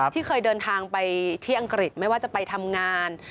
ที่เคยเดินทางไปที่อังกฤษไม่ว่าจะไปทำงาน